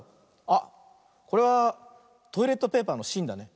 あっこれはトイレットペーパーのしんだね。